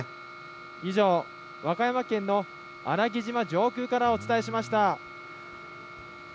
以上、和歌山県のあらぎ島上空からお伝えしました。